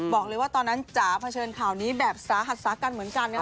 บอกเลยว่าตอนนั้นจ๋าเผชิญข่าวนี้แบบสาหัสสากันเหมือนกันนะครับ